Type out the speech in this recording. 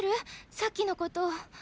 さっきのこと。